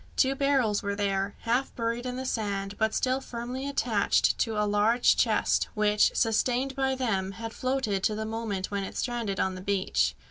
Two barrels were there, half buried in the sand, but still firmly attached to a large chest, which, sustained by them, had floated to the moment when it stranded on the beach.